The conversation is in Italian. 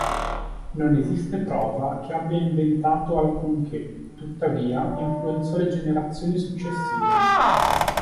Non esiste prova che abbia inventato alcunché, tuttavia influenzò le generazioni successive.